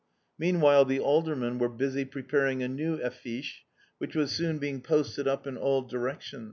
Meanwhile the Aldermen were busy preparing a new affiche which was soon being posted up in all directions.